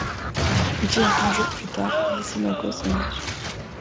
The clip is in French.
Dix à quinze jours plus tard, les imagos émergent.